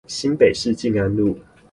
新北市靜安路